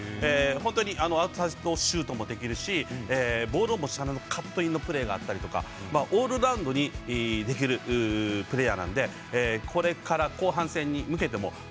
本当にシュートもできるしボールを持ちながらカットインのプレーがあったりとかオールラウンドにできるプレーヤーなんでこれから後半戦に向けても彼の注目